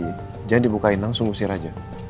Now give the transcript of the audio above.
jangan dibukain langsung usir aja